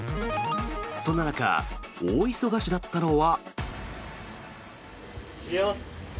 そんな中、大忙しだったのは。